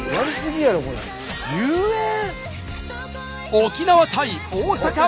沖縄対大阪！